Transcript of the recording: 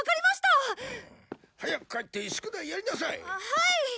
はい！